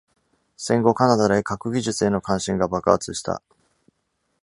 戦後カナダで核技術への関心が爆発した。